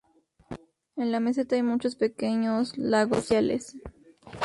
En la meseta hay muchos pequeños lagos glaciales.